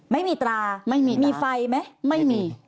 ไม่มีตรามีไฟไหมไม่มี